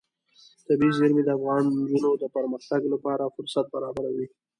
طبیعي زیرمې د افغان نجونو د پرمختګ لپاره فرصتونه برابروي.